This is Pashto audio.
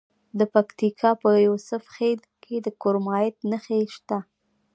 د پکتیکا په یوسف خیل کې د کرومایټ نښې شته.